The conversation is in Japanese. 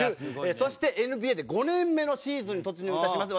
そしてＮＢＡで５年目のシーズンに突入いたします